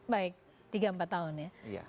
baik tiga empat tahun ya